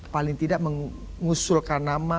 paling tidak mengusulkan nama